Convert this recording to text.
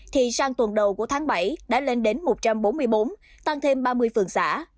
thì sang tuần đầu của tháng bảy đã lên đến một trăm bốn mươi bốn tăng thêm ba mươi phường xã